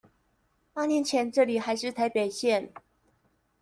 八年前這裡還是臺北縣